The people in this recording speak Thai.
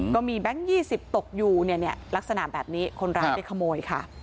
แบงค์๒๐ตกอยู่ลักษณะแบบนี้คนร้ายไปขโมยค่ะ